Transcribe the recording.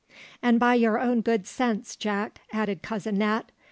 "And by your own good sense, Jack," added Cousin Nat.